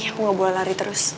aku gak boleh lari terus